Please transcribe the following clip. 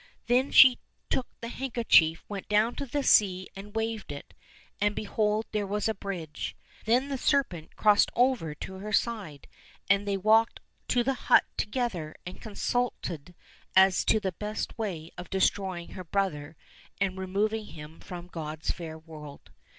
Then she took the handkerchief, went down to the sea, and waved it — and behold there was a bridge. Then the serpent crossed over to her side, and they walked to the hut together and consulted as to the best way of destroying her brother and removing him from God's fair world.